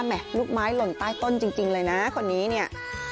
แหม่นลูกไม้หล่นใต้ต้นจริงจริงเลยน่ะคนนี้เนี่ย